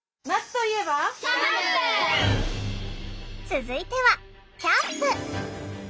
続いてはキャンプ！